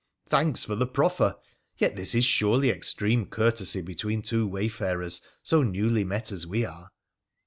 ' Thanks for the proffer ! Yet this is surely extreme courtesy between two wayfarers so newly met as we are